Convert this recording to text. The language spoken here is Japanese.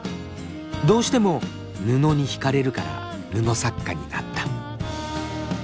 どうしても布に惹かれるから布作家になった。